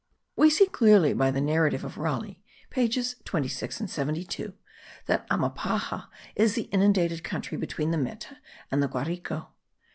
We see clearly by the narrative of Raleigh (pages 26 and 72), that Amapaja is the inundated country between the Meta and the Guarico.